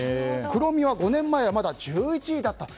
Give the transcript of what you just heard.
クロミは５年前はまだ１１位だったと。